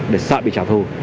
để sợ bị trả thù